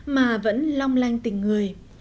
mà vẫn long lanh tình người